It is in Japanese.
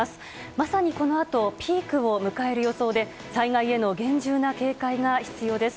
まさにこのあとピークを迎える予想で災害への厳重な警戒が必要です。